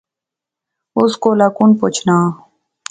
اس کولا کُن پچھنا